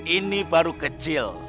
ini baru kecil